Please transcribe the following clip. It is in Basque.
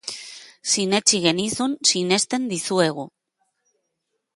Sinetsi genizun, sinesten dizuegu.